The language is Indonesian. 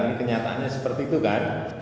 ini kenyataannya seperti itu kan